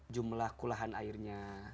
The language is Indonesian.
jumlah kulahan airnya